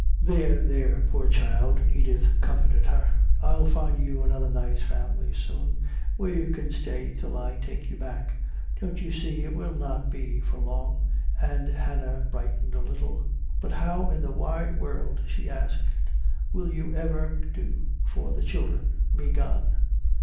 "There, there, poor child," Edith comforted her, "I'll find you another nice family soon where you can stay till I take you back. Don't you see it will not be for long?" And Hannah brightened a little. "But how in the wide wurrld," she asked, "will you ever do for the children, me gone?"